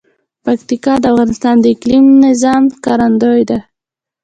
پکتیکا د افغانستان د اقلیمي نظام ښکارندوی ده.